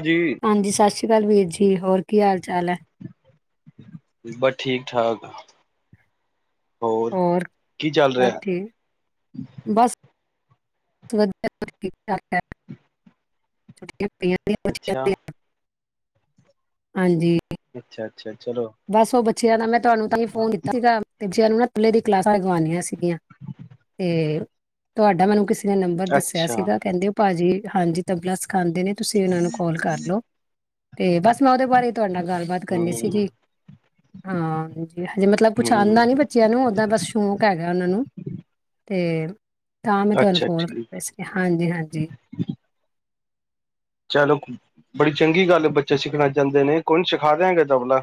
ਜੀ ਹਾਂਜੀ ਸਤਿ ਸ੍ਰੀ ਅਕਾਲ ਵੀਰ ਜੀ ਹੋਰ ਕੀ ਹਾਲ ਚਾਲ ਹੈ। ਬਸ ਠੀਕ-ਠਾਕ। ਹੋਰ ਕੀ ਚੱਲ ਸਭ ਰਿਹਾ? ਠੀਕ ਬਸ [inaudible] [inaudible] ਅੱਛਾ ਦੀਆਂ। ਹਾਂਜੀ। [unintelligible] ਬਸ ਉਹ ਬੱਚਿਆਂ [unintelligible] ਮੈਂ ਤੁਹਾਨੂੰ ਤਾਂ ਹੀ ਫੋਨ ਕੀਤਾ ਸੀਗਾ। ਬੱਚਿਆਂ ਨੂੰ ਨਾ ਪਲੇ ਦੀ ਕਲਾਸਾਂ ਲਗਵਾਣੀਆ ਸੀਗੀਆਂ ਤੇ ਤੁਹਾਡਾ ਮੈਨੂੰ ਕਿਸ ਨੰਬਰ ਦੱਸਿਆ ਅੱਛਾ ਸੀਗਾ ਕਹਿੰਦੇ ਓ ਭਾਜੀ ਹਾਂਜੀ ਤਬਲਾ ਸਿਖਾਦੇ ਨੇ। ਤੁਸੀਂ ਉਹਨਾਂ ਨੂੰ ਕਾਲ ਕਰ ਲਓ, ਤੇ ਬਸ ਮੈਂ ਉਹਦੇ ਬਾਰੇ ਤੁਹਾਡੇ ਨਾਲ ਗੱਲਬਾਤ ਕਰਨੀ ਹਮ ਸੀਗੀ। ਹਾ ਹਾਂਜੀ ਹਜੇ ਮਤਲਬ ਕੁਛ ਆਉਂਦਾ ਹਮ ਨੀ ਬੱਚਿਆਂ ਨੂੰ ਓਦਾਂ ਬਸ ਸ਼ੌਕ ਹੈਗਾ ਉਹਨਾਂ ਨੂੰ। ਤੇ ਤਾਂ ਮੈਂ ਤੁਹਾਨੂੰ ਅੱਛਾ ਕਾਲ ਠੀਕ ਕਰਨੀ ਸੀ ਹਾਂਜੀ-ਹਾਂਜੀ। ਚਲੋ ਬੜੀ ਚੰਗੀ ਗੱਲ ਹ ਬੱਚੇ ਸਿਖਣਾ ਚਾਂਦੇ ਨੇ ਕੋਈ ਨਹੀਂ ਸਿਖਾ ਦਾਂਗੇ ਤਬਲਾ।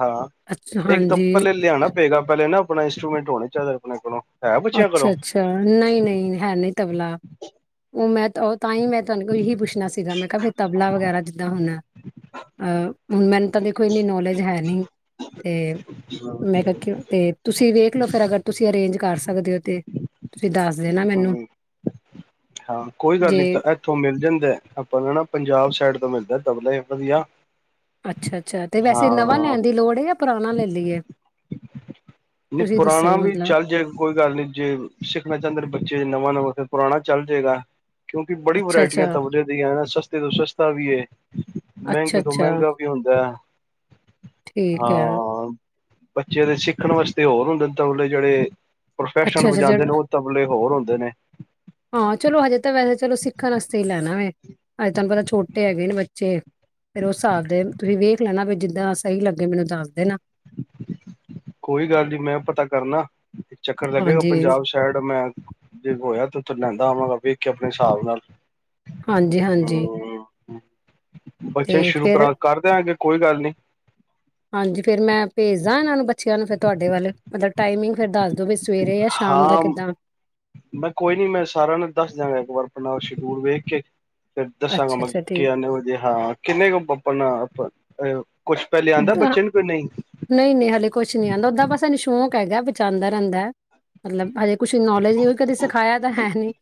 ਹਾਂ ਅੱਛਾ ਇੱਕ ਤਾਂ ਹਾਂਜੀ ਪਲੇ ਲਿਆਣਾ ਪਏਗਾ ਪਹਿਲੇ ਨਾ ਆਪਣਾ ਇੰਸਟਰੂਮੈਂਟ ਹੋਣੇ ਚਾਹੀਦਾ ਆਪਣੇ ਕੋਲੋਂ। ਹੈ ਬੱਚਿਆਂ ਕੋਲੋਂ ਅੱਛਾ-ਅੱਛਾ ਨਹੀਂ-ਨਹੀਂ ਹੈ ਨਹੀਂ ਤਬਲਾ ਉਹ ਮੈਂ ਉਹ ਤਾਂ ਹੀ ਮੈਂ ਤੁਹਾਨੂੰ ਕੋਲ ਇਹੀ ਪੁੱਛਣਾ ਸੀਗਾ ਮੈਂ ਕਿਹਾ ਵੀ ਤਬਲਾ ਵਗੈਰਾ ਜਿੱਦਾਂ ਹੁਣ ਅਹ ਹੁਣ ਮੈਨੂੰ ਤਾਂ ਦੇਖੋ ਇੰਨੀ ਨੌਲੇਜ ਹੈ ਨਹੀਂ ਤੇ ਮੈਂ ਕ ਤੇ ਤੁਸੀਂ ਵੇਖ ਲੋ ਫਿਰ ਅਗਰ ਤੁਸੀਂ ਅਰੇਂਜ ਕਰ ਸ ਸਕਦੇ ਹੋ ਤੇ ਤੁਸੀਂ ਦੱਸ ਦੇਨਾ ਮੈਨੂੰ ਹਮ ਜੇ ਦ ਆਪਾਂ ਨੂੰ ਨਾ ਪੰਜਾਬ ਸਾਈਡ ਤੋਂ ਮਿਲਦਾ ਤਬਲੇ ਵਧੀਆ। ਅੱਛਾ-ਅੱਛਾ ਤੇ ਵੈਸੇ ਨਵਾਂ ਹਾਂ ਲੈਣ ਦੀ ਲੋੜ ਹੈ ਜਾਂ ਪੁਰਾਣਾ ਲੈ ਲਈਏ ਨਹੀਂ ਤੁਸੀਂ ਦੱਸੋ ਪੁਰਾਣਾ ਵੀ ਮਤਲਬ ਚੱਲ ਜੇ ਕੋਈ ਗੱਲ ਨੀ ਜੇ ਸਿੱਖਣਾ ਚਾਹੁੰਦੇ ਬੱਚੇ ਨਵਾਂ-ਨਵਾਂ ਪੁਰਾਣਾ ਚੱਲ ਜਾਏਗਾ। ਕਿਉਂਕਿ ਬੜੀ ਵਰਾਇਟੀਆਂ ਅੱਛਾ-ਅੱਛਾ, ਤਬਲੇ ਦੀਆਂ ਸਸਤੇ ਤੋਂ ਸਸਤਾ ਵੀ ਏ ਮਹਿੰਗੇ ਤੋਂ ਅੱਛਾ-ਅੱਛਾ ਮਹਿੰਗਾ ਵੀ ਹੁੰਦਾ ਠੀਕ ਹੈ ਹਾਂ। ਬੱਚੇ ਦੇ ਸਿੱਖਣ ਵਾਸਤੇ ਹੋਰ ਹੁੰਦੇ ਨੇ ਤਾਂਲੇ ਜਿਹੜੇ ਪ੍ਰੋਫੈਸ਼ਨ ਅੱਛਾ-ਅੱਛਾ ਜ ਵਜਾਉਂਦੇ ਨੇ ਉਹ ਤਬਲੇ ਹੋਰ ਹੁੰ [unintelligible] [unintelligible] ਹਾਂ ਚਲੋ ਹਜੇ ਤਾਂ ਵੈਸੇ ਚਲੋ ਸਿੱਖਣ ਵਾਸਤੇ ਹੀ ਲੈਣਾ ਵ ਹਜੇ ਤੁਹਾਨੂੰ ਪਤਾ ਛੋਟੇ ਹੈਗੇ ਨੇ ਬੱਚੇ ਫੇਿਰ ਉਸ ਹਿਸਾਬ ਦੇ ਤੁਸੀਂ ਵੇਖ ਲੈਣਾ ਵੀ ਜਦ ਾਂ ਸਹੀ ਲੱਗੇ ਮੈਨੂੰ ਦੱਸਦੇ ਨਾ ਕੋਈ ਗੱਲ ਨੀ ਮੈਂ ਪਤਾ ਕਰਨਾ ਇਹ ਚੱਕਰ ਲੱਗੇਗਾ ਹਾਂਜੀ ਪੰਜਾਬ ਸਾਇਡ ਮੈਂ ਜੇ ਹੋਇਆ ਲੈਂਦਾ ਆਵਾਂਗਾ ਬ ਕੇ ਆਪਣੇ ਹਿਸਾਬ ਨਾਲ ਹਾਂਜੀ ਹਾਂਜੀ ਹੂੰ ਬੱਚੇ ਤੇ ਸ਼ੁਰੂ ਫਿਰ ਕਰ ਕਰਦਿਆਂ ਗੇ ਕੋਈ ਗੱਲ ਨੀ ਹਾਂਜੀ ਫੇਿਰ ਮੈਂ ਭੇਜਦਾ ਇਹਨਾਂ ਨੂੰ ਬੱਚਿਆਂ ਨੂੰ ਫਿਰ ਤੁਹਾਡੇ ਵੱਲ ਮਤਲਬ ਟਾਈਮਿੰਗ ਫੇਰ ਦੱਸ ਦੋ ਸਵੇਰੇ ਜਾਂ ਸ਼ਾਮ ਦਾ ਹਾਂ ਕਿੱਦਾਂ ਮੈਂ ਕੋਈ ਨੀ ਮੈਂ ਸਾਰਿਆਂ ਨੂੰ ਦੱਸ ਦਿਆਂਗਾ ਇੱਕ ਵਾਰ ਆਪਣਾ ਸ਼ਡਿਊਲ ਵੇਖ ਕੇ ਫਿਰ ਦੱਸਾਂਗਾ ਅੱਛਾ ਮੈਂ ਅੱਛਾ ਠੀਕ ਕੀਨੇ ਵਜੇ ਹਾਂ ਕਿੰਨੇ ਕੁ ਆਪ [unintelligible] ਕੁਛ ਪਹਿਲੇ ਆਉਂਦਾ ਅਹ, ਬੱਚੇ ਨੂੰ ਕੇ ਨਹੀਂ ਨਹੀਂ ਨਹੀਂ ਹਲੇੇ ਕੁਛ ਨਹੀਂ ਆਉਂਦਾ ਓਦਾਂ ਬਸਾਨੂੰ ਸ਼ੌਂਕ ਹੈਗਾ ਬਚਾਉਂਦਾ ਰਹਿੰਦਾ ਮਤਲਬ ਹਜੇ ਕੁਛ ਨੌਲੇਜ ਨਹੀਂ ਕੋਈ ਕਦੇ ਸਿਖਾਇਆ ਤਾਂ ਹੈ ਨਹੀਂ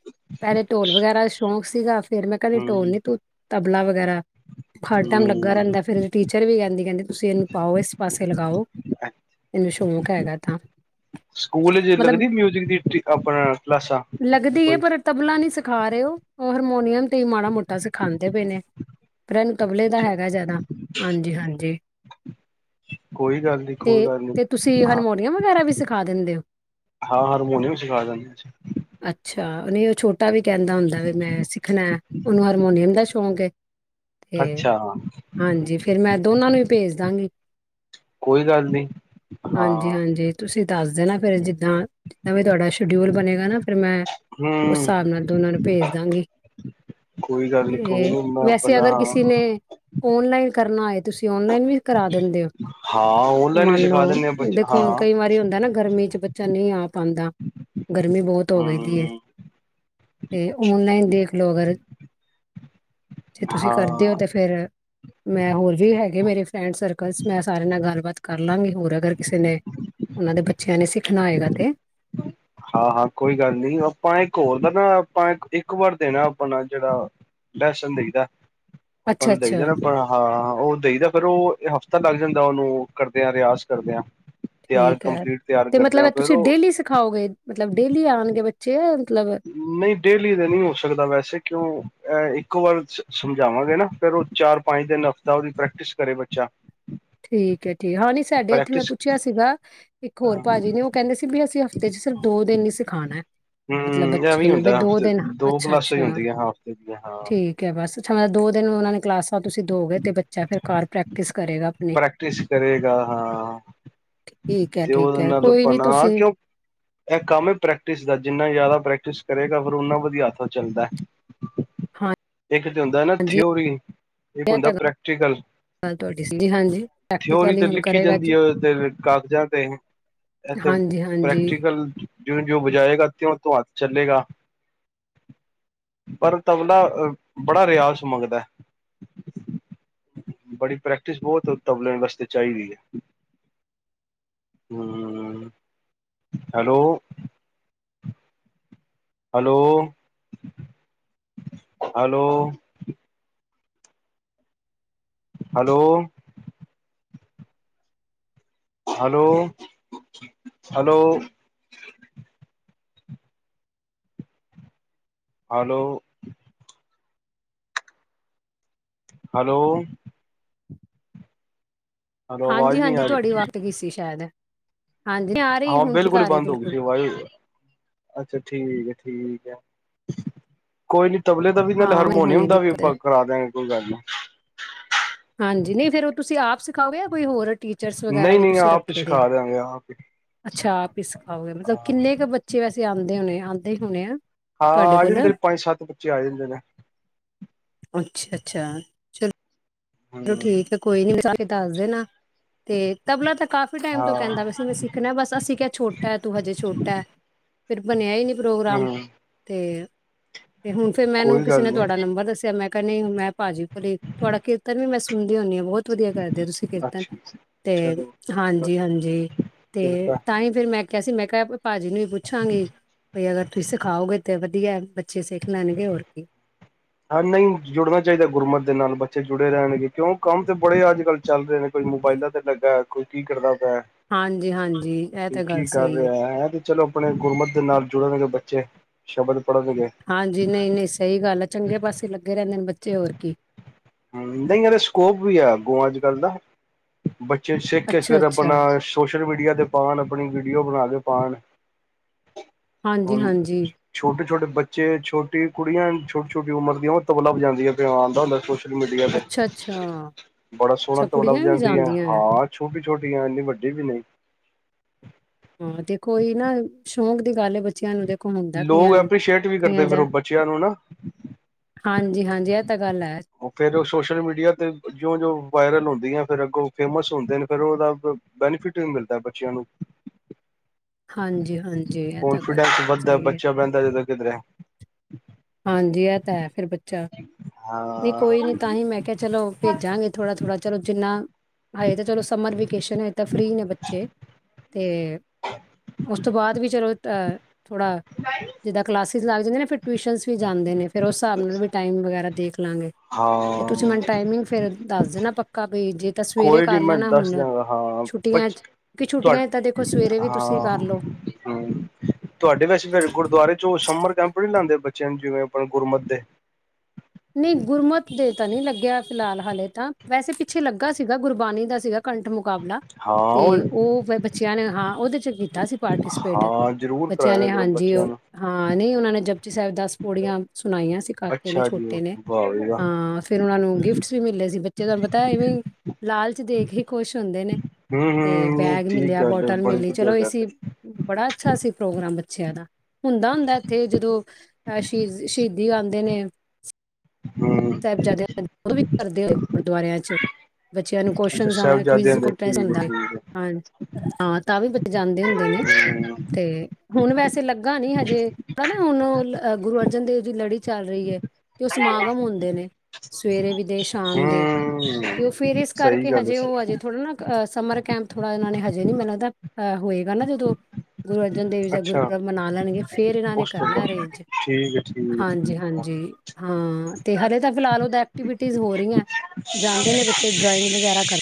ਪਹਿਲੇ ਢੋਲ ਵਗੈਰਾ ਸ਼ੌਂਕ ਸੀਗਾ ਫਿਰ ਮੈਂ ਕਹਦੀ ਢੋਲ ਹੂੰ ਨੀ ਤੂੰ ਆਪਣਾ ਵਗੈਰਾ ਹਰ ਟਾਈਮ ਲੱਗਾ ਹੂੰ ਰਹਿੰਦਾ ਫਿਰ ਚੱਲੀ ਜਾਂਦੀ ਕਹਿੰਦੀ ਤੁਸੀਂ ਇਹਨੂੰ ਪਾਓ ਪਾਸੇ ਲਗਾਓ ਮੈਨੂੰ ਸ਼ੌਕ ਹੈਗਾ ਤਾਂ ਸਕੂਲ ਮਤਲਬ ਲੱਗਦੀ ਮਿਊਜਿਕ ਦੀ ਆਪਣਾ ਕਲਾਸਾਂ ਕੋਈ ਦਿਖਾ ਰਹੇ ਹੋ ਹਰਮੋਨੀਅਮ ਮਾੜਾ ਮੋਟਾ ਸਿਖਾਂਦੇ ਪਏ ਨੇ ਫ ਇਹਨੂੰ ਤਬਲੇ ਦਾ ਅੱਛਾ ਹੈਗਾ ਜ਼ਿਆਦਾ ਹਾਂਜੀ ਹਾਂਜੀ ਕੋਈ ਗੱਲ ਨੀ ਤੇ ਕੋਈ ਗੱਲ ਨੀ ਤੇ ਤੁਸੀਂ ਹਾਂ ਹਾਰਮੋਨੀਅਮ ਵਗੈਰਾ ਵੀ ਸਿਖਾ ਦਿੰਦੇ ਹੋ ਹਾਂ ਹਾਰਮੋਨੀਅਮ ਸਿਖਾ ਦਿੰਦੇ ਅੱਛਾ ਹਾਂ ਛੋਟਾ ਵੀ ਕਹਿੰਦਾ ਹੁੰਦਾ ਵੀ ਮੈਂ ਸਿੱਖਣਾ ਉਹਨੂੰ ਹਾਰਮੋਨੀਅਮ ਦਾ ਸ਼ੌਕ ਹੈ ਤੇ ਅੱਛਾ ਹਾਂਜੀ ਫਿਰ ਮੈਂ ਦੋਨਾਂ ਨੂੰ ਪੇਜ ਦਾਂਗੀ ਕੋਈ ਗੱਲ ਨੀ ਹਾਂਜੀ ਹਾਂ ਹਾਂਜੀ ਤੁਸੀਂ ਦੱਸਦੇ ਨਾ ਫਿਰ ਜਿੱਦਾਂ ਵੀ ਤੁਹਾਡਾ ਸ਼ਡਿਊਲ ਬਣੇਗਾ ਨਾ ਫਿਰ ਮੈਂ ਉਸ ਹੂੰ ਹਿਸਾਬ ਨਾਲ ਦੋਨਾਂ ਨੂੰ ਭੇਜ ਦਾਂਗੀ ਕੋਈ ਗੱਲ ਨੀ ਕੋਈ ਤੇ ਨੀ ਮੈਂ ਵੈਸੇ ਆਪਣਾ ਅਗਰ ਕਿਸੇ ਹਾਂ ਨੇ ਔਨਲਾਈਨ ਕਰਨਾ ਆਏ ਔਨਲਾਈਨ ਵੀ ਕਰ ਦਿੰਦੇ ਓ ਹਾਂ ਓਨਲਾਈਨ ਵੀ ਮੰਨ ਸਿਖਾ ਲਓ ਦਿੰਦੇ ਆ ਬੱਚੇ ਦੇਖੋ ਹਾਂ ਹੁਣ ਕਈ ਵਾਰੀ ਹੁੰਦਾ ਨਾ ਗਰਮੀ ਚ ਚ ਨਹੀਂ ਆ ਪਾਉਂਦਾ ਗਰਮੀ ਬਹੁਤ ਹੋ ਗਈ ਦੀ ਹੂੰ ਤੇ ਔਨਲਾਈਨ ਦੇਖ ਲੋਕਗਰ ਜੇ ਤੁਸੀਂ ਕਰਦੇ ਹੋ ਹਾਂ ਤਾਂ ਫਿਰ ਮੈਂ ਹੋਰ ਵੀ ਹੈਗੇ ਮੇਰੇ ਫਰੈਂਡ ਸਰਕਲ ਮੈਂ ਸਾਰਿਆਂ ਨਾਲ ਗੱਲਬਾਤ ਕਰ ਲਾਂਗੇ ਹੋਰ ਅਗਰ ਕਿਸੇ ਨੇ ਉਹਨਾਂ ਦੇ ਬੱਚਿਆਂ ਨੇ ਸਿੱਖਣਾ ਆਏਗਾ ਤੇ ਹਾਂ ਹਾਂ ਕੋਈ ਗੱਲ ਨੀ ਆਪਾਂ ਇੱਕ ਹੋਰ ਦਾ ਨਾ ਆਪਾਂ ਇੱਕ ਵਾਰ ਦੇਣਾ ਆਪਣਾ ਜਿਹੜਾ ਲੈਸਨ ਦਈਦਾ ਆਪਾਂ ਅੱਛਾ ਨੂੰ ਦਈਦਾ ਨਾ ਅੱਛਾ ਆਪ ਹਾਂ ਉਹ ਦਈ ਦਾ ਫਿਰ ਉਹ ਹਫ਼ਤਾ ਲੱਗ ਜਾਂਦਾ ਉਹਨੂੰ ਕਰਦਿਆਂ, ਰਿਆਜ਼ ਕਰਦਿਆਂ। ਠੀਕ ਹੈ, ਤੇ ਮਤਲਬ ਤੁਸੀਂ ਉਹ ਡੇਲੀ ਸਿਖਾਓਗੇ? ਮਤਲਬ, ਡੇਲੀ ਆਉਣਗੇ ਬੱਚੇ? ਮਤਲਬ ਨਹੀਂ, ਡੇਲੀ ਤਾਂ ਨਹੀਂ ਹੋ ਸਕਦਾ ਵੈਸੇ ਕਿਉਂ ਅਹ, ਇੱਕੋ ਵਾਰ ਸਮਝਾਵਾਂਗੇ ਨਾ ਫਿਰ ਉਹ ਚਾਰ ਪੰਜ ਦਿਨ ਹਫ਼ਤਾ ਉਹਦੀ ਪ੍ਰੈਕਟਿਸ ਕਰੇ ਬੱਚਾ। ਠੀਕ ਹੈ, ਠੀਕ ਹਾਂ ਨੀ ਸਾਡੇ ਇੱਥੇ ਮੈਂ ਪ੍ਰੈਕਟਿਸ ਪੁੱਛਿਆ, ਸੀਗਾ ਇੱਕ ਹੋਰ ਭਾਜੀ ਹੂੰ ਨੇ ਉਹ ਕਹਿੰਦੇ ਸੀ ਵੀ ਤੇ ਸਿਰਫ ਦੋ ਦਿਨ ਹੀ ਸਿਖਾਉਣਾ, ਮਤਲਬ ਐਵੇਂ ਬੱਚੇ ਹੀ ਨੂੰ ਬਸ ਹੁੰਦਾ ਦੋ ਹਫ਼ਤੇ ਦਿਨ ਦੋ ਅੱਛਾ ਕਲਾਸਾਂ ਹੀ -ਅੱਛਾ ਹੁੰਦੀਆਂ ਹਾਂ ਹਫ਼ਤੇ ਦੀਆਂ ਹਾਂ ਠੀਕ ਹੈ ਬਸ ਅੱਛਾ ਮਤਲਬ ਦੋ ਦਿਨ ਉਹਨਾਂ ਨੇ ਕਲਾਸਾਂ ਤੁਸੀਂ ਦੋ ਗੇ ਤੇ ਬੱਚਾ ਫਿਰ ਘਰ ਪ੍ਰੈਕਟਿਸ ਕਰੇਗਾ। ਆਪਣੀ ਪ੍ਰੈਕਟਿਸ ਕਰੇਗਾ, ਹਾਂ। ਠੀਕ ਹੈ ਤੇ ਠੀਕ ਉਹਦੇ ਹੈ ਨਾਲ ਕੋਈ ਆਪਾਂ ਨੀ ਨਾ, ਤੁਸੀਂ ਕਿ ਉਹ ਇਹ ਕੰਮ ਹੈ ਪ੍ਰੈਕਟਿਸ ਦਾ ਜਿੰਨਾ ਜ਼ਿਆਦਾ ਪ੍ਰੈਕਟਿਸ ਕਰੇਗਾ, ਫਿਰ ਓਨਾ ਵਧੀਆ ਹੱਥ ਚੱਲਦਾ। ਇੱਕ ਤੇ ਹੁੰਦਾ ਨਾ, ਹਾਂਜੀ ਥਿਊਰੀ ਇੱਕ ਇਹ ਹੁੰਦਾ ਤਾਂ ਪ੍ਰੈਕਟੀਕਲ, ਗੱਲ ਤੁਹਾਡੀ ਸੀ ਹਾਂਜੀ ਥਿਊਰੀ ਪ੍ਰੈਕਟੀਕਲੀ ਤੇ ਹੁਣ ਲਿਖੀ ਕਰੇਗਾ ਅੱਜ ਜਾਂਦੀ ਹੈਕਾਗਜ਼ਾਂ ਤੇ ਇਥੇ ਹਾਂਜੀ ਹਾਂਜੀ ਪ੍ਰੈਕਟੀਕਲ ਜਿਉਂ ਜੋ ਬਜਾਏਗਾ, ਤਿਉਂ- ਤਿਉਂ ਹੱਥ ਚੱਲੇਗਾ, ਪਰ ਤਬਲਾ ਬੜਾ ਰਿਆਜ਼ ਮੰਗਦਾ। ਬੜੀ ਪ੍ਰੈਕਟਿਸ, ਬਹੁਤ ਤਬਲੇ ਵਾਸਤੇ ਚਾਹੀਦੀ ਹੈ ਹਮ hello hello, hello hello hello, hello hello hello hello ਹਾਂਜੀ, ਆਵਾਜ਼ ਨਹੀਂ ਹਾਂਜੀ ਆ ਤੁਹਾਡੀ ਰਹੀ ਕੱਟ ਗਈ ਸੀ ਸ਼ਾਇਦ ਹਾਂਜੀ ਆ ਰਹੀ ਹਾਂ, ਹੁਣ ਠੀਕ ਬਿਲਕੁਲ ਹੀ ਆ ਰਹੀ ਬੰਦ ਹੋ ਗਈ ਬਿਲਕੁਲ ਸੀ ਵਾਜ, ਅੱਛਾ- ਠੀਕ ਹੈ, ਠੀਕ ਹੈ ਕੋਈ ਨੀ ਤਬਲੇ ਦਾ ਵੀ ਨਾਲ, ਹਾਂ ਹਾਰਮੋਨੀਅਮ ਹੁਣੀ ਦਾ ਵੀ ਦਿੱਕਤ ਉਪਾਅ ਕਰਾ ਦਿਆਂਗੇ। ਕੋਈ ਗੱਲ ਨ੍ਹੀ ਹਾਂਜੀ, ਨਹੀਂ ਫੇਰ ਉਹ ਤੁਸੀਂ ਆਪ ਸਿ ਖਾਓਗੇ ਯਾ ਕੋਈ ਹੋਰ- ਟੀਚਰਸ ਵਗੈਰਾ ਨਹੀਂ ਵੀ ਨਹੀਂ ਤੁਸੀਂ ਆਪ ਹੀ ਰੱਖੇ ਦੇ ਆ, ਸਿਖਾ ਦਿਆਂਗੇ ਆਪ ਹੀ ਅੱਛਾ ਆਪ ਹੀ ਸਿਖਾਓਗੇ ਮਤਲਬ ਹਾਂ ਕਿੰਨੇ ਕੁ ਬੱਚੇ ਵੈਸੇ ਆਂਦੇ ਹੋਣੇ ਆਉਂਦੇ ਹੋਣੇ ਆ ਹਾਂ ਤੁਹਾਡੇ ਆ ਕੋਲ। ਜਾਂਦੇ ਨੇ ਪੰਜ ਸੱਤ ਬੱਚੇ ਆ ਜਾਂਦੇ ਨੇ ਅੱਛਾ- ਅੱਛਾ, ਚਲੋ ਚਲੋ ਹਮ ਠੀਕ ਆ ਕੋਈ ਨੀ, ਜਾ ਕੇ ਦੱਸ ਦੇਣਾ। ਤੇ ਤਬਲਾ ਤਾਂ ਕਾਫੀ ਟਾਈਮ ਤੋਂ ਹਾਂ ਕਹਿੰਦਾ ਪਿਆ ਸੀ ਮੈਂ ਸਿੱਖਣਾ, ਬਸ ਅਸੀਂ ਕਿਹਾ ਛੋਟਾ ਹੈ ਤੂੰ ਹਜੇ ਛੋਟਾ ਹੈ, ਫਿਰ ਬਣਿਆ ਹੀ ਨਹੀਂ ਪ੍ਰੋਗਰਾਮ ਹਮ ਤੇ ਤੇ ਹੁਣ, ਫਿਰ ਮੈਨੂੰ ਕੋਈ ਕਿਸੇ ਗੱਲ ਨੇ ਨੀ ਤੁਹਾਡਾ ਨੰਬਰ ਦੱਸਿਆ ਮੈਂ ਕਰਨੀ ਮੈਂ ਭਾਜੀ ਭਲੇ ਤੁਆਡਾ ਕੇ ਫੇਰ ਵੀ ਮੈਂ ਸੁਣਦੀ ਹੁੰਨੀ ਆਂ। ਬਹੁਤ ਵਧੀਆ ਕਰਦੇ ਹੋ ਤੁਸੀਂ ਕੀਰਤਨ। ਅੱਛਾ ਤੇ ਚਲੋ ਬਸ ਹਾਂਜੀ, ਹਾਂਜੀ, ਤੇ ਕਿਰਪਾ ਤਾਂ ਹੀ ਫਿਰ ਮੈਂ। ਕਿਆ ਸੀ ਮੈਂ ਕਿਹਾ ਵ ਭਾਜੀ ਨੂੰ ਵੀ ਪੁੱਛਾਂਗੀ, ਬਈ ਅਗਰ ਤੁਸੀਂ ਸਿਖਾਓਗੇ ਤਾਂ ਅਗਰ [unintelligible] ਬਚੇ ਸਿੱਖ ਲੈਣਗੇ ਹੋਰ ਕੀ। ਹਾਂ ਨਹੀਂ ਜੁੜਨਾ ਚਾਈਦਾ, ਗੁਰਮਤ ਦੇ ਨਾਲ ਬੱਚੇ ਜੁੜੇ ਰਹਿਣਗੇ। ਕਿਉਂ ਕੰਮ ਤੇ ਬੜੇ ਅੱਜ ਕੱਲ੍ਹ ਚੱਲ ਰਹੇ ਨੇ ਕੋਈ ਮੋਬਾਇਲਾਂ ਤੇ ਲੱਗਾ, ਕੋਈ ਕੀ ਕਰਦਾ ਐ ਐ। ਹਾਂਜੀ, ਹਾਂਜੀ ਇਹ ਕੋਈ ਤਾਂ ਗੱਲ ਕੀ ਕਰ ਸਹੀ ਹੈ। ਰਿਹਾ ਐ, ਐਂ ਤੇ ਚਲੋ ਆਪਣੇ ਗੁਰਮਤ ਦੇ ਨਾਲ ਜੁੜੇ ਰਹਿਨਗੇ ਬ ਚੇ, ਸ਼ਬਦ ਪੜ੍ਹਨਗੇ ਹਾਂਜੀ ਨਹੀਂ ਨਹੀਂ ਸਹੀ ਗੱਲ ਐ। ਚੰਗੇ ਪਾਸੇ ਲੱਗੇ ਰੇਂਦੇ ਨੇ ਬੱਚੇ, ਹੋਰ ਕੀ। ਹਮ ਨਹੀ ਏਦਾ ਸਕੋਪ ਵੀ ਆ ਅੱਗੋਂ, ਅੱਜ ਕੱਲ ਦਾ ਬੱਚੇ ਸਿੱਖ ਕੇ ਅੱਛਾ, ਸਵੇਰੇ, ਅੱਛਾ। ਆਪਣਾ ਛੋ ਸੋਸ਼ਲ ਮੀਡੀਆ ਤੇ ਪਾਣ, ਆਪਣੀ ਵੀਡੀਓ ਬਣਾ ਕੇ ਪਾਣ ਹਾਂਜੀ ਹਾਂਜੀ। ਛੋਟੇ ਬੱਚੇ ਛੋਟੀ ਕੁੜੀਆਂ, ਛੋਟੀ ਛੋਟੀ ਉਮਰ ਦੀਆਂ, ਤਬਲਾ ਵਜਾਂਦੀਆਂ ਤੇ ਆਂਦਾ ਹੁੰਦਾ ਸੋ਼ਸ਼ ਲ ਮੀਡੀਆ ਤੇ ਅੱਛਾ, ਅੱਛਾ, ਬੜਾ ਅੱਛਾ ਸੋਹਣਾ ਕੁੜੀਆਂ ਵਜਾ ਵੀ ਲੈਂਦੀਆ। ਜਾਂਦੀਆਂ ਹੈ। ਹਾਂ ਛੋਟੀ ਛੋਟੀਆਂ, ਇੰਨੀ ਵੱਡੀ ਵੀ ਨਹੀਂ। ਹਾਂ ਤੇ ਕੋਈ ਨਾ ਸ਼ੌਂਕ ਦੀ ਗੱਲ ਐ, ਬੱਚਿਆਂ ਨੂੰ ਤੇ ਲੋਕ ਐਪ੍ਰਸ਼ੀਏਟ ਵੀ ਕਰਦੇ, ਫਿਰ ਉਹ ਬੱਚਿਆਂ ਨੂੰ ਨਾ। ਹਾਂਜੀ, ਹਾਂਜੀ ਇਹ ਤਾਂ ਗੱਲ ਹੈ। ਉਹ ਫੇਰ ਉਹ ਸੋਸ਼ਲ ਮੀਡੀਆ ਤੇ, ਜਿਓਂ ਜਿਓਂ ਵਾਇਰਲ ਹੁੰਦੀਆਂ, ਫਿਰ ਅੱਗੋਂ ਫੇਮਸ ਹੁੰਦੇ ਨੇ ਫਿਰ ਉਹਦਾ ਬੈਨੀਫਿਟ ਵੀ ਮਿਲਦਾ ਬੱਚਿਆਂ ਨੂੰ ਹਾਂਜੀ ਹਾਂਜੀ, ਇਹ ਤਾਂ ਗੱਲ ਹੈ, ਸਹੀ ਐ। ਕਿਧਰੈ ਹਾਂਜੀ ਏਹ ਤਾਂ ਹੈ ਫਿਰ ਬੱਚ ਚਾ, ਨਹੀਂ ਹਾਂ ਕੋਈ ਨੀ ਤਾਂ ਹੀ ਮੈਂ ਕਿਆ ਚਲੋ ਭੇਜਾਂਗੀ ਥੋੜਾ ਥੋੜਾ, ਚਲੋ ਜਿੰਨਾ ਹਲੇ ਤਾਂ ਚਲੋ ਸਮਰ ਵੇਕੇਸ਼ਨ ਹੈ ਤਾਂ ਫ੍ਰੀ ਨੇ ਬੱਚੇ ਤੇ ਉਸ ਤੋਂ ਬਾਅਦ ਵੀ ਚਲੋ ਤਾਂ, ਥੋੜ੍ਹਾ। ਜਿੱਦਾਂ ਕਲਾਸ ਸ ਲੱਗ ਜਾਂਣਗੇ, ਫਿਰ ਟੂਸ਼ਨ ਵੀ ਜਾਂਦੇ ਨੇ ਫਿਰ ਉਸ ਹਿਸਾਬ ਨਾਲ ਵੀ ਟਾਈਮ ਵਗੈਰਾ ਦੇਖ ਲਾਂਗੇ ਤੇ ਤੁਸੀਂ ਹਾਂ ਮੈਨੂੰ ਟਾਈਮਿੰਗ ਫੇਰ ਦੱਸ ਦੇਣਾ ਪੱਕਾ ਵੀ ਜੇ ਤਾਂ ਸਵੇਰੇ ਕੋਈ ਨੀ ਕਰ ਮੈਂ ਲੈਣਾ ਦੱਸ ਹੁਣ ਦਿਆਂ ਹਾਂ ਛੁੱਟੀਆਂ 'ਚ ਕਿ ਤੁ ਛੁੱਟੀਆਂ 'ਚ ਤਾਂ ਦੇਖੋ ਸਵੇਰੇ ਵੀ ਤੁਸੀਂ ਹਾਂ ਕਰ ਲਓ ਹਮ ਤੁਹਾਡੇ ਵੈਸੇ ਗੁਰਦੁਆਰੇ ਚ ਸਮਰ ਕੈਂਪ ਨਹੀਂ ਲਾਦੇ ਬੱਚਿਆਂ ਨੂੰ ਜਿਵੇਂ ਆਪ ਗੁਰਮਤ ਦੇ ਨਹੀਂ ਗੁਰਮਤ ਦੇ ਪਤਾ ਨਹੀਂ ਲੱਗਿਆ ਫਿਲਹਾਲ ਹਾਲੇ ਤਾਂ ਵੈਸੇ ਪਿੱਛੇ ਲੱਗਾ ਸੀਗਾ ਗੁਰਬਾਣੀ ਦਾ ਸੀਗਾ ਕੰਟ ਮੁਕਾਬਲਾ ਤੇ ਉਹ ਬੱਚਿਆਂ ਨੇ ਹਾਂ ਉਹਦੇ ਚ ਕੀਤਾ ਤਾਂਸੀ ਪਾਰਟੀਸਪੇਟ ਹਾਂ ਜ਼ਰੂਰ ਬੱਚਿਆਂ ਕਰਾਇਆ ਨੇ ਕਰੋ ਹਾਂਜੀ ਬੱਚਿਆਂ ਉਹ ਨੂੰ ਹਾਂ ਨਹੀਂ ਉਹਨਾਂ ਨੇ ਜ ਸਾਹਿਬ ਦਾਸ ਪੋੜੀਆਂ ਸੁਣਾਈਆਂ ਸੀ ਕਾਕੇ ਨੇ ਅੱਛਾ ਜੀ ਛੋਟੇ ਤੇ ਨੇ ਵਾਹ ਬਈ ਵਾਹ ਹਾਂ ਫਿਰ ਉਹਨਾਂ ਨੂੰ ਗਿਫਟ ਵੀ ਮਿਲਲੇ ਸੀ ਬੱਚੇ ਤੁਹਾਨੂੰ ਪਤਾ ਇਵੇਂ ਲਾਲਚ ਦੇਖ ਹੀ ਖੁਸ਼ ਹੁੰਦੇ ਨੇ ਹੂੰ ਤੇ ਹੂੰ ਨਹੀਂ ਬੈਗ ਠੀਕ ਮਿਲਿਆ ਗੱਲ ਹੈ ਬੋਟਲ ਬੜੀ ਮਿਲੀ ਵਧੀਆ ਚਲੋ ਇਸ ਗੱਲ ਹੈ ਬੜਾ ਅੱਛਾ ਸੀ ਪ੍ਰੋਗਰਾਮ ਅੱਛਿਆ ਦਾ ਹੁੰਦਾ ਹੁੰਦਾ ਇੱਥੇ ਜਦੋਂ ਅਹ ਸ਼ਹੀਦੀ ਆਉਂਦੇ ਨੇ ਹਾਂ ਸਾਹਿਬਜ਼ਾਦੇ ਜੋ ਵੀ ਕਰਦੇ ਹੋਏ ਗੁਰਦੁਆਰੇ ਚ ਬੱਚਿਆਂ ਨੂੰ ਅੱਛਾ ਕੁਸ਼ਚਨ ਆਣਾ ਕੁਰੀਜ ਸਾਹਿਬਜ਼ਾਦਿਆਂ ਦੇ ਠੀਕ ਹੈ ਹੁੰਦਾ ਠੀਕ ਹਾਂ ਤਾਂ ਵੀ ਜਾਂਦੇ ਹੁੰਦੇ ਨੇ ਹੈ ਹੂੰ ਤੇ ਹੁਣ ਵੈਸੇ ਲੱਗਾ ਨੀ ਹਜੇ ਹਨਾ ਹੁਣ ਗੁਰੂ ਅਰਜਨ ਦੇਵ ਦੀ ਲੜੀ ਚੱਲ ਰਹੀ ਹੈ ਤੇ ਉਹ ਸਮਾਗਮ ਹੁੰਦਾ ਨੇ ਸਵੇਰੇ ਵੀ ਦੇ ਸ਼ਾਮ ਦੇ ਤੇ ਉਹ ਫਿਰ ਹੂੰ ਇਸ ਸਹੀ ਕਰਕੇ ਗੱਲ ਹਜੇ ਹੈ ਉਹ ਹਜੇ ਥੋੜਾ ਨਾ ਸਮਰ ਕੈਂਪ ਥੋੜਾ ਇਹਨਾਂ ਨੇ ਹਜੇ ਨੀ ਮਤ ਲਦਾ ਹੋਏਗਾ ਨਾ ਜਦੋਂ ਗੁਰੂ ਅਰਜਨ ਦੇਵ ਜੀ ਦਾ ਅੱਛਾ ਗੁਰਪੁਰਬ ਮਨਾ ਲੈਣਗੇ ਫਿਰ ਇਹਨਾਂ ਨੇ ਉਸ ਤੋਂ ਕਰਨਾ ਬਾਅਦ ਅਰੇਂਜ ਠੀਕ ਹੈ ਠੀਕ ਹੈ ਹਾਂਜੀ ਠੀਕ ਹੈ ਹਾਂਜੀ ਹਾਂ ਤੇ ਹਰੇ ਤਾਂ ਫਿਲਹਾਲ ਐਕਟੀਵਿਟੀ ਹੋ ਰਹੀ ਹੈ ਜਾਂਦੇ ਨੇ ਬੱਚੇ ਡਰਾਇੰਗ ਵਗੈਰਾ ਕਰਨ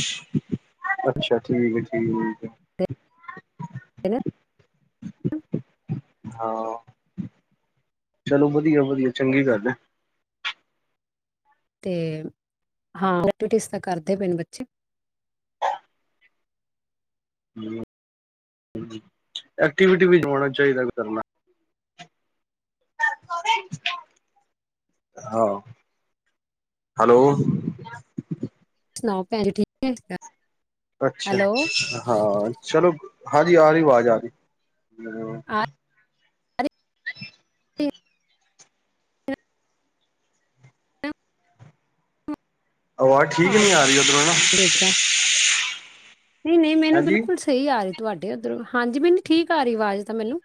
ਅੱਛਾ ਠੀਕ ਹੈ ਠੀਕ [unintelligible] ਹਾਂ ਚਲੋ ਵਧੀਆ ਵਧੀਆ ਚੰਗੀ ਗੱਲ ਹੈ ਤੇ ਹਾਂ ਐਕਵਟੀ ਤਾਂ ਕਰਦੇ ਪਏ ਨੇ ਬੱਚੇ ਐਕਟੀਵਿਟੀ ਵੀ ਹੋਣਾ ਚਾਹੀਦਾ ਕਰਨਾ ਹਾਂ ਹੈਲੋ ਸੁਣਾਓ ਭੈਣ ਜੀ ਠੀਕ ਹੈ ਅੱਛਾ ਹੈਲੋ ਹਾਂ ਚਲੋ ਹਾਂਜੀ ਆ ਰਹੀ ਆਵਾਜ਼ ਆ ਰਹੀ ਆ ਆਵਾਜ਼ ਠੀਕ ਨਹੀਂ ਆਜਾ ਆ ਰਹੀ ਉਧਰੋਂ ਨਾ ਦੇਜਾ ਨਹੀਂ ਨਹੀਂ ਮੈਨੂੰ ਹੈਂਜੀ ਬਿਲਕੁਲ ਸਹੀ ਆ ਰਹੀ ਤੁਹਾਡੇ ਉੱਧਰੋਂ ਹਾਂਜੀ ਮੈਨੂੰ ਠੀਕ ਆ ਰਹੀ ਆਵਾਜ਼ ਤਾਂ ਮੈਨੂੰ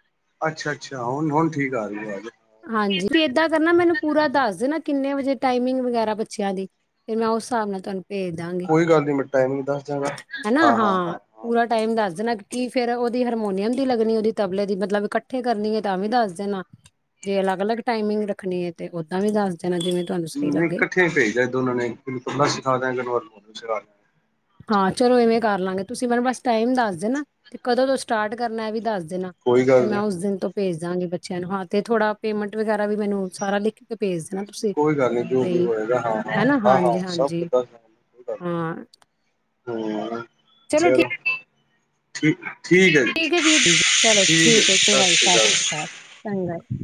ਅੱਛਾ ਅੱਛਾ ਹੁਣ ਹੁਣ ਠੀਕ ਆ ਰਹੀ ਹਾਂਜੀ ਤੇ ਏਦਾਂ ਕਰਨਾ ਮੈਨੂੰ ਪੂਰਾ ਦੱਸ ਦੇਣਾ ਕਿੰਨੇ ਵਜੇ ਟਾਈਮਿੰਗ ਵਗੈਰਾ ਬੱਚਿਆਂ ਦੀ ਫਿਰ ਮੈਂ ਉਸ ਹਿਸਾਬ ਨਾਲ ਤੁਹਾਨੂੰ ਭੇਜ ਦਾਂਗੀ ਕੋਈ ਗੱਲ ਨਹੀਂੀ ਮੈਂ ਟਾਈਮਿੰਗ ਦੱਸ ਦਣਾ ਹੈਨਾ ਹਾਂ ਹਾਂ ਹਾਂ ਪੂਰਾ ਟਾਈਮ ਦੱਸ ਦੇਣਾ ਕੀ ਫੇਰ ਉਹਦੀ ਹਰਮੋਨੀਅਮ ਦੀ ਲੱਗਣੀ ਉਹਦੀ ਤਬਲੇ ਦੀ ਮਤਲਬ ਇਕੱਠੇ ਕਰਨੀ ਹੈ ਤਾਂ ਵੀ ਦੱਸ ਦੇਣਾ ਜੇ ਅਲੱਗ ਅਲੱਗ ਟਾਈਮਿੰਗ ਰੱਖਣੀ ਹੈ ਤੇ ਓਦਾਂ ਵੀ ਦੱਸ ਦਿ ਨਹੀਂ ਇਕੱਠੇ ਪੇਜਦੇ ਦੋਨਾਂ ਨੇ ਇਕ ਨੂੰ ਤਬਕਾ ਸਿਖਾ ਦਿਆਗੇ ਏਕ ਨੂੰ ਹਾਰਮੋਨੀਅਮ ਸਿਖਾ ਦਿਆਗੇ ਹਾਂ ਚਲੋ ਇਵੇਂ ਕਰ ਲਾਂਗੇ ਤੁਸੀਂ ਮੈਨੂੰ ਬਸ ਟਾਈਮ ਦੱਸ ਦੇ ਨਾ ਤੇ ਕਦੋਂ ਤੋਂ ਸਟਾਰਟ ਕਰਨਾ ਇਹ ਵੀ ਦੱਸਦੇ ਦੇਣਾ ਕੋਈ ਤੇ ਗੱਲ ਮੈਂ ਨੀ ਉਸ ਦਿਨ ਤੋਂ ਭੇਜ ਦਾਂਗੇ ਬੱਚਿਆਂ ਨੂੰ ਹਾਂ ਤੇ ਥੋੜਾ ਪੇਮੈਂਟ ਵਗੈਰਾ ਵੀ ਮੈਨੂੰ ਸਾਰਾ ਲਿਖ ਕੇ ਭੇਜ ਦੇਣਾ ਤੁਸੀਂ ਕੋਈ ਗੱਲ ਨਹੀਂੀ ਜ ਵੀ ਬਈ ਹੋਏਗਾ ਹਾਂ ਹਾਂ ਹੈਨਾ ਹਾਂ ਹਾਂ ਹਾਂਜੀ ਸਭਦ ਹਾਂਜੀ ਕੋ ਗੱਲ ਹਾਂ ਨ ਹਮ ਚਲੋ ਠੀਕ ਠੀਕ ਹੈ ਵੀਰ ਜੀ ਚਲੋ ਠੀਕ ਹੈ ਚਗਾ ਜੀ ਸਤਿ ਸ਼੍ਰੀ ਅਕਾਲ ਚੰਗਾ ਜ